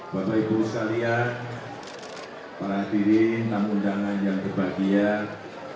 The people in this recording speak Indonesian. bapak ibu sekalian para diri tamu undangan yang kebahagiaan